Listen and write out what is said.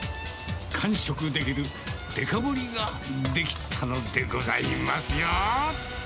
完食できるデカ盛りが出来たのでございますよ。